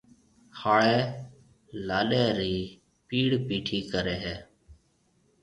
ھاݪيَ لاڏَي رِي پِيڙ پِيٺِي ڪريَ ھيََََ